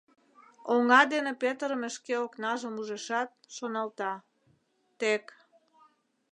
Оҥа дене петырыме шке окнажым ужешат, шоналта: «Тек...